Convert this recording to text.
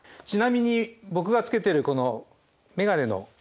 ちなみに僕がつけてるこの眼鏡の。